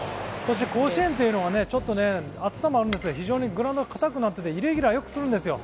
甲子園というのは、ちょっと暑さもあるんですが、非常にグラウンドがかたくなってて、イレギュラーをよくするんですよ。